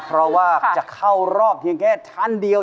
เพราะว่าจะเข้ารอบเพียงแค่ชั้นเดียว